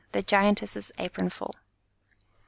THE GIANTESS'S APRON FULL.